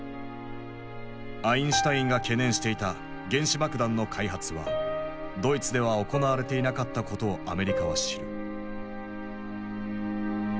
アインシュタインが懸念していた原子爆弾の開発はドイツでは行われていなかったことをアメリカは知る。